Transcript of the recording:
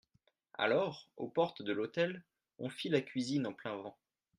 Alors, aux portes de l'hôtel, on fit la cuisine en plein vent.